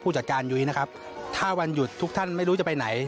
จัดการยุ้ยนะครับถ้าวันหยุดทุกท่านไม่รู้จะไปไหน